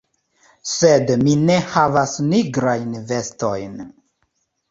Sed mi ne havas nigrajn vestojn.